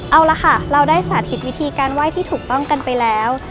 เอาละค่ะเราได้สาธิตวิธีการไหว้ที่ถูกต้องกันไปแล้ว